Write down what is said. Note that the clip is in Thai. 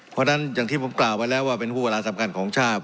เพราะฉะนั้นอย่างที่ผมกล่าวไว้แล้วว่าเป็นห่วงเวลาสำคัญของชาติ